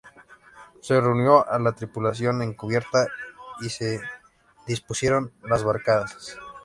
Se reunió a la tripulación en cubierta y se dispusieron las barcazas.